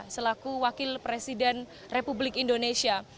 selaku wakil presiden republik indonesia